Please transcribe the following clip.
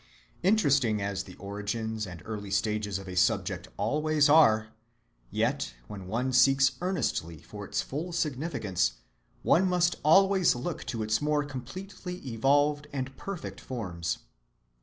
Interesting as the origins and early stages of a subject always are, yet when one seeks earnestly for its full significance, one must always look to its more completely evolved and perfect forms.